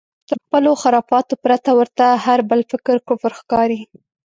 تر خپلو خرافاتو پرته ورته هر بل فکر کفر ښکاري.